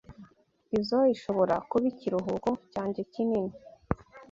Izoi ishobora kuba ikiruhuko cyanjye kinini.